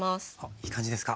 いい感じですか？